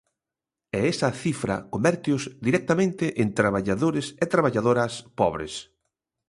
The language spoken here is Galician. E esa cifra convérteos directamente en traballadores e traballadoras pobres.